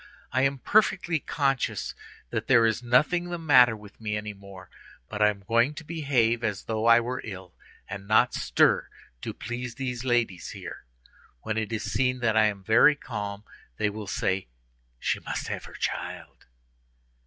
I am perfectly conscious that there is nothing the matter with me any more; but I am going to behave as though I were ill, and not stir, to please these ladies here. When it is seen that I am very calm, they will say, 'She must have her child.